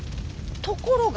ところが。